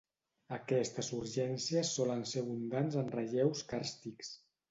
Aquestes surgències solen ser abundants en relleus càrstics.